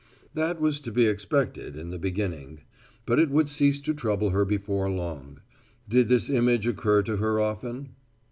That was to be expected, in the beginning. But it would cease to trouble her before long. Did this image occur to her often?